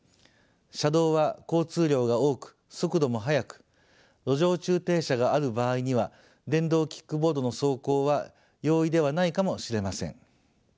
車道は交通量が多く速度も速く路上駐停車がある場合には電動キックボードの走行は容易ではないかもしれません。